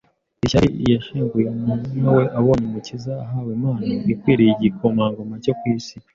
Ishyari iyashenguye umuilna we abonye Umukiza ahawe impano ikwiriye igikomangoma cyo ku isi.